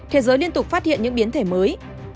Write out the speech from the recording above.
thế giới liên tục phát hiện những biến thể mới